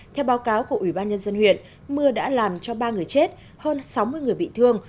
theo báo cáo của ủy ban nhân dân huyện mưa đã làm cho ba người chết hơn sáu mươi người bị thương